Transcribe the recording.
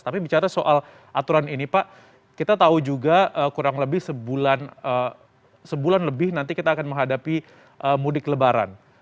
tapi bicara soal aturan ini pak kita tahu juga kurang lebih sebulan lebih nanti kita akan menghadapi mudik lebaran